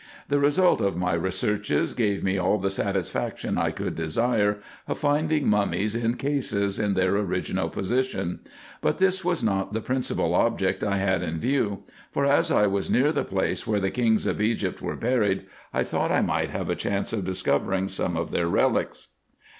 The result of my researches gave me all the satisfaction I could desire, of finding mummies in cases, in their original position : but this was not the principal object I had in view; for, as I was near the place where the kings of Egypt were buried, I thought I might have a chance of discovering some of their relics.